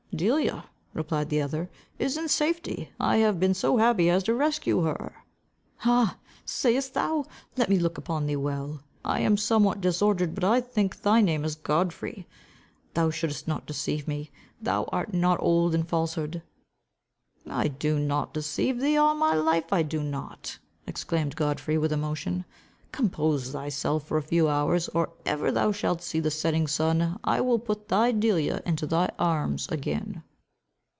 "Delia," replied the other, "is in safety. I have been so happy as to rescue her." "Ha! sayest thou? let me look upon thee well. I am somewhat disordered, but I think thy name is Godfrey. Thou shouldst not deceive me. Thou art not old in falsehood." "I do not deceive thee. On my life I do not!" exclaimed Godfrey, with emotion. "Compose thyself for a few hours. Or ever thou shalt see the setting sun, I will put thy Delia into thy arms again."